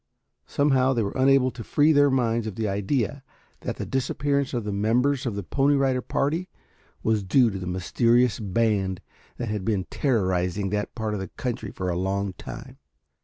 Somehow they were unable to free their minds of the idea that the disappearance of the members of the Pony Rider party was due to the mysterious band that had been terrorizing that part of the country for a long time.